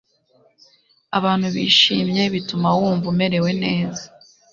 abantu bishimye bituma wumva umerewe neza